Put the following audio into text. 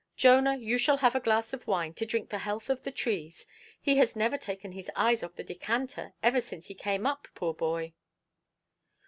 —Jonah, you shall have a glass of wine, to drink the health of the trees. He has never taken his eyes off the decanter, ever since he came up, poor boy".